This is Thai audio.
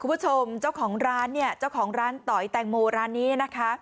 คุณผู้ชมเจ้าของร้านต่อแต่งโมร้านนี้นะคะ